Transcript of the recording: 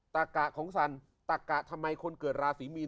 ตะกะของสันตะกะทำไมคนเกิดราศีมีน